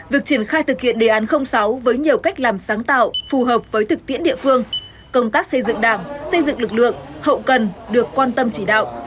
việc triển khai thực hiện đề án sáu với nhiều cách làm sáng tạo phù hợp với thực tiễn địa phương công tác xây dựng đảng xây dựng lực lượng hậu cần được quan tâm chỉ đạo